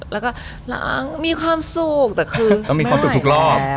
แล้วก็ล้างมีความสุขแต่คือไม่ได้แล้ว